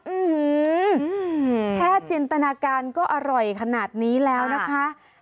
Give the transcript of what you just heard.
แค่จินตนาการก็อร่อยขนาดนี้แล้วนะคะ